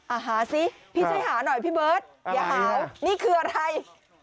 หาซิพี่ช่วยหาหน่อยพี่เบิร์ตอย่าหานี่คืออะไร